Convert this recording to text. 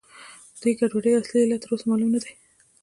د دې ګډوډۍ اصلي علت تر اوسه معلوم نه دی.